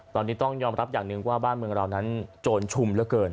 ตอนนี้ต้องยอมรับอย่างหนึ่งว่าบ้านเมืองเรานั้นโจรชุมเหลือเกิน